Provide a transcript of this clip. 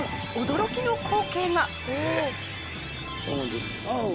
驚きの光景が！